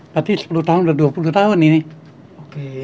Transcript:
berarti sepuluh tahun udah dua puluh tahun ini